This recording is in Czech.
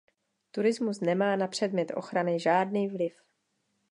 Turismus nemá na předmět ochrany žádný vliv.